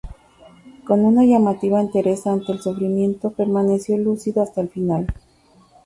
Con una llamativa entereza ante el sufrimiento, permaneció lúcido hasta el final.